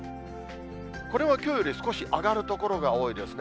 これもきょうより少し上がる所が多いですね。